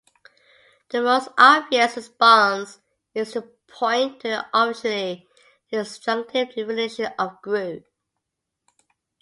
The most obvious response is to point to the artificially disjunctive definition of grue.